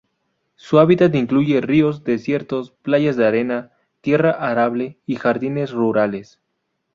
Su hábitat incluye ríos, desiertos, playas de arena, tierra arable y jardines rurales.